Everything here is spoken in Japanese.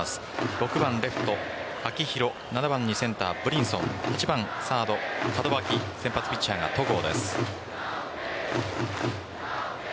６番レフト・秋広７番にセンター・ブリンソン８番サード・門脇先発ピッチャーが戸郷です。